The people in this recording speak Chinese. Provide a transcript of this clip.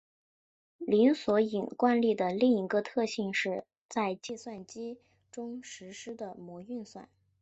零索引惯例的另一个特性是在现代计算机中实作的模运算。